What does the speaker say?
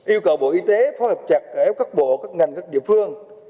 yêu cầu bộ y tế phó hợp chặt kéo các bộ các ngành các địa phương